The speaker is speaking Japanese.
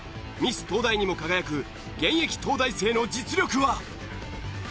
ミス東大にも輝く現役東大生の実力は？